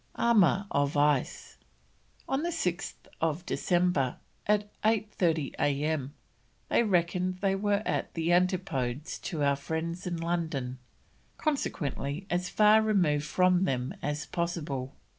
ARMOUR OF ICE. On 6th December, at 8.30 A.M., they reckoned they were "at the Antipodes to our friends in London, consequently as far removed from them as possible."